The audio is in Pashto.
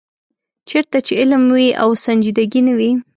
چېرته چې علم وي او سنجیدګي نه وي.